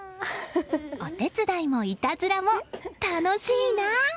お手伝いもいたずらも楽しいな！